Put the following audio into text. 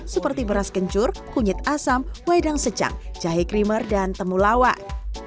seperti beras kencur kunyit asam wedang secang jahe krimer dan temulawak